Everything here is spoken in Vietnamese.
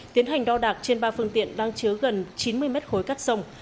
tiến hành đo đạc trên ba phương tiện đang chứa gần chín mươi mét khối cát sông